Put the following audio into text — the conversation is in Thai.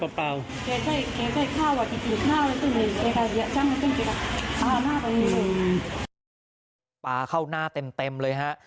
เพราะว่าปลาเข้าหน้าเต็มเลยฮะ